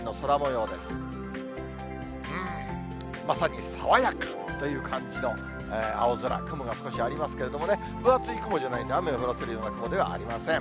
うーん、まさに爽やかという感じの青空、雲が少しありますけれどもね、分厚い雲じゃないんで、雨を降らせるような雲ではありません。